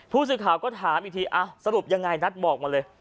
ผู้สื่อข่าวก็ถามอีกทีสรุปยังไงนัทบอกมาเลย